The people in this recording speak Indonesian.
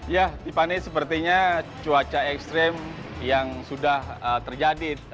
ya tiffany sepertinya cuaca ekstrim yang sudah terjadi